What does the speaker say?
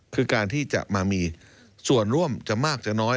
คือการที่จะมามีส่วนร่วมจะมากจะน้อย